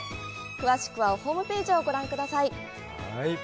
詳しくはホームページをご覧ください。